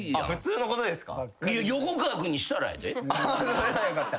それはよかった。